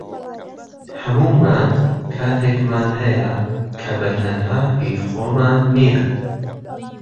هەموومان کاتێکمان هەیە کە بەتەنها هی خۆمان نییە